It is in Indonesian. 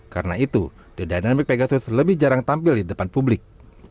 karena itu the dynamic pegasus lebih jarang tampil di depan publik